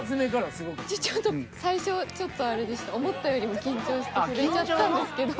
［最初ちょっとあれでした思ったよりも緊張して震えちゃったんですけど］